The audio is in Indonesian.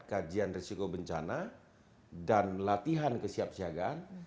kajian risiko bencana dan latihan kesiapsiagaan